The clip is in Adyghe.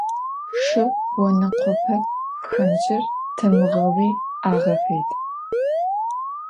Шы онэкъопэ пхэнджыр тамыгъэуи агъэфедэ.